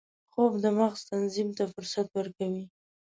خوب د مغز تنظیم ته فرصت ورکوي